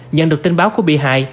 nhận được tin báo của bị hại